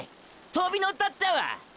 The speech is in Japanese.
とびのったったわ！！